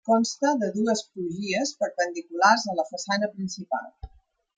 Consta de dues crugies perpendiculars a la façana principal.